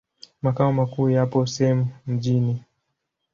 Makao makuu yapo Same Mjini.